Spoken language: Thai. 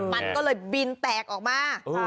มันก็เลยบินแตกออกมา